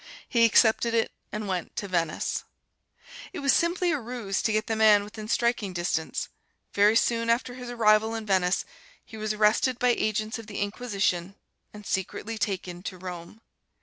He accepted it and went to Venice. It was simply a ruse to get the man within striking distance. Very soon after his arrival in Venice he was arrested by agents of the Inquisition and secretly taken to Rome.